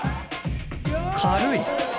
軽い！